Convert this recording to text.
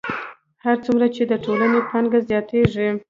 هر څومره چې د ټولنې پانګه زیاتېږي